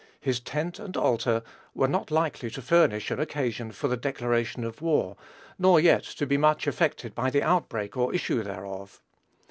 His "tent and altar" were not likely to furnish an occasion for the declaration of war, nor yet to be much affected by the outbreak or issue thereof.